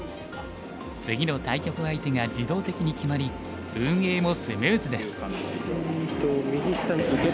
次の対局相手が自動的に決まり運営もスムーズです。